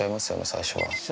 最初は。